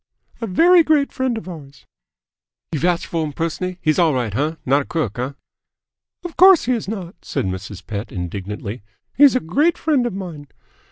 "A very great friend of ours." "You vouch f'r him pers'n'lly? He's all right, uh? Not a crook, huh?" "Of course he is not!" said Mrs. Pett indignantly. "He's a great friend of mine."